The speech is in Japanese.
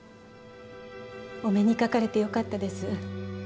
お目にかかれてよかったです。